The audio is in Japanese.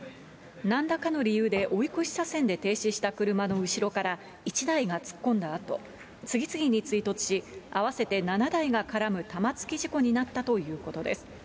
なんらかの理由で追い越し車線で停止した車の後ろから１台が突っ込んだあと、次々に追突し、合わせて７台が絡む玉突き事故になったということです。